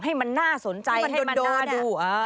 ให้มันน่าสนใจให้มันน่าดู